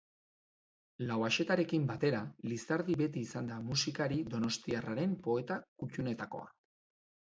Lauaxetarekin batera Lizardi beti izan da musikari donostiarraren poeta kutunetakoa.